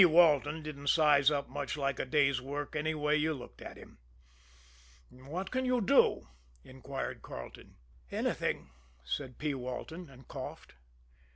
Walton didn't size up much like a day's work anyway you looked at him. "What can you do?" inquired Carleton. "Anything," said P. Walton and coughed.